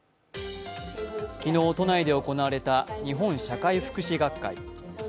昨日、都内で行われた日本社会福祉学会。